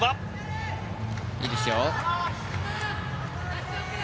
いいですよ。